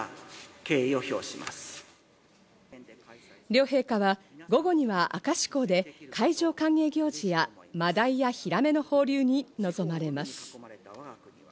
両陛下は午後には明石港で海上歓迎行事やマダイやヒラメの放流にのぞまれます。